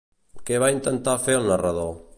Què va intentar fer el narrador?